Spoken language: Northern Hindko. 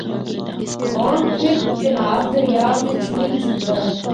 ہور پھر کنہار دریا بچ مِل جُلدا اے۔